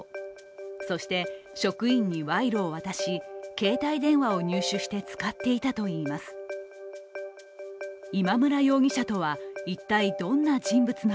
そして職員に賄賂を渡し携帯電話を入手していよいよ厳しい冬本番。